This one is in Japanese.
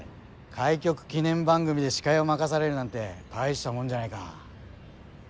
開局記念番組で司会を任されるなんて大したもんじゃないか。